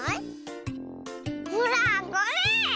ほらこれ！